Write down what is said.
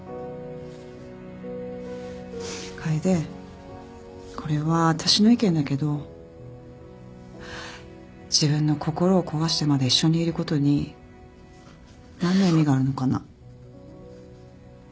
楓これは私の意見だけど自分の心を壊してまで一緒にいることに何の意味があるのかな？